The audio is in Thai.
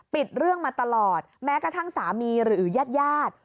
ปิดเรื่องมาตลอดแม้กระทั่งสามีหรือญาติญาติ